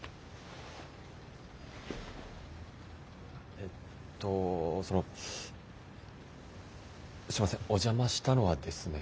えっとそのすみませんお邪魔したのはですね